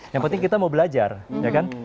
yang penting kita mau belajar ya kan